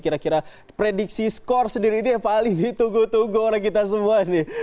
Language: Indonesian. kira kira prediksi skor sendiri ini yang paling ditunggu tunggu oleh kita semua nih